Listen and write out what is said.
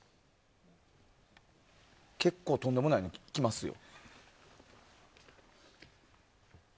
結構とんでもないの来ますよ。